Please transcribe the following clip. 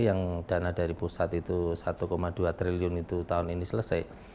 yang dana dari pusat itu satu dua triliun itu tahun ini selesai